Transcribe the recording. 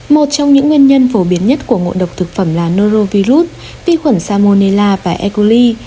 một trong những nguyên nhân phổ biến nhất của ngộ độc thực phẩm là norovirus vi khuẩn salmonella và ecoli